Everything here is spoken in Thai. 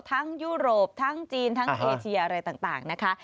ยุโรปทั้งจีนทั้งเอเชียอะไรต่างนะคะ